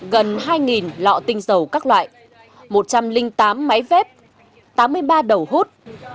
gần hai lọ tinh dầu các loại một trăm linh tám máy vết tám mươi ba đầu hút